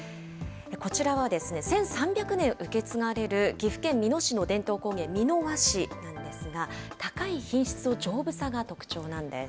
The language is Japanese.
こちらは１３００年受け継がれる岐阜県美濃市の伝統工芸、美濃和紙なんですが、高い品質と丈夫さが特徴なんです。